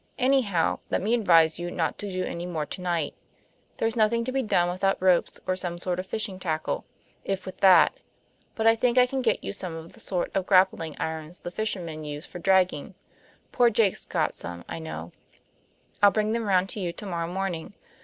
Anyhow, let me advise you not to do any more to night. There's nothing to be done without ropes or some sort of fishing tackle, if with that; but I think I can get you some of the sort of grappling irons the fishermen use for dragging. Poor Jake's got some, I know; I'll bring them round to you tomorrow morning.